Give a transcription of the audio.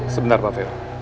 sebentar pak vero